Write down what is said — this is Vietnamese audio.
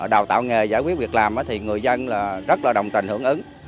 đào tạo nghề giải quyết việc làm thì người dân rất là đồng tình hưởng ứng